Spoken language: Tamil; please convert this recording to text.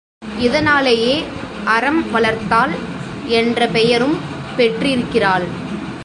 இதனாலேயே அறம்வளர்த்தாள் என்ற பெயரும் பெற்றிருக்கிறாள்.